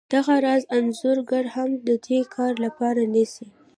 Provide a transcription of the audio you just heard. دغه راز انځورګر هم د دې کار لپاره نیسي